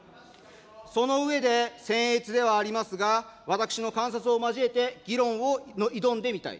その上で、せん越ではありますが、私の観察を交えて、議論に挑んでいきたい。